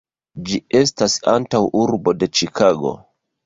Ĝi estas antaŭurbo de Ĉikago.